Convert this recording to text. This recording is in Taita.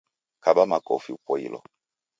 Kaba makofi upoilo